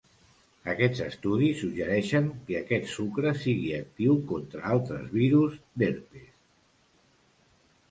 Aquests estudis suggereixen que aquest sucre sigui actiu contra altres virus d'herpes.